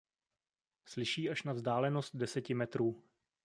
Slyší až na vzdálenost deseti metrů.